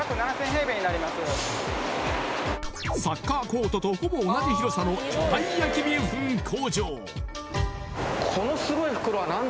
サッカーコートとほぼ同じ広さの巨大焼ビーフン工場